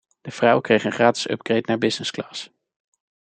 De vrouw kreeg een gratis upgrade naar businessclass.